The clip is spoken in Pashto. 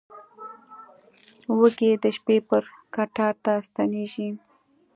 وزې د شپې پر کټار ته ستنېږي